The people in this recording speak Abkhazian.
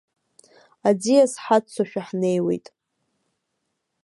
Аӡиас ҳаццошәа ҳнеиуеит.